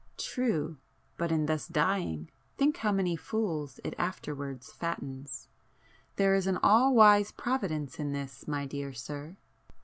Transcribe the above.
"True!—but in thus dying, think how many fools it afterwards fattens! There is an all wise Providence in this, my dear sir!